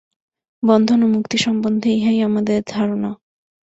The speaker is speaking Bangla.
বন্ধন ও মুক্তি সম্বন্ধে ইহাই আমাদের ধারণা।